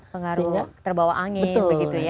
pengaruh terbawa angin begitu ya